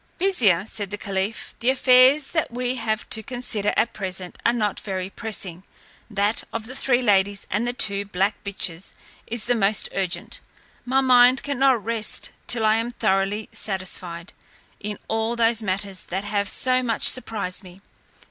"Vizier," said the caliph, "the affairs that we have to consider at present are not very pressing; that of the three ladies and the two black bitches is the most urgent: my mind cannot rest till I am thoroughly satisfied, in all those matters that have so much surprised me.